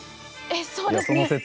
えそうですね。